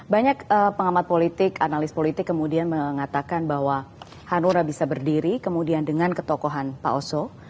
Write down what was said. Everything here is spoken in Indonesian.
banyak pengamat politik analis politik kemudian mengatakan bahwa hanura bisa berdiri kemudian dengan ketokohan pak oso